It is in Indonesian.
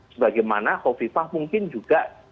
sebagaimana hovifah mungkin juga